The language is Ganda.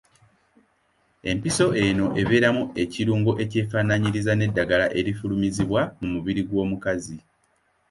Empiso eno ebeeramu ekirungo ekyefaanaanyiriza n’eddagala erifulumizibwa mu mubiri gw’omukazi.